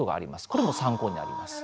これも参考になります。